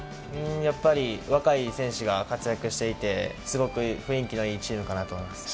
やっぱり若い選手が活躍していてすごく雰囲気のいいチームかなと思います。